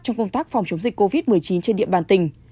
trong công tác phòng chống dịch covid một mươi chín trên địa bàn tỉnh